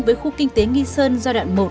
với khu kinh tế nghi sơn gia đoạn một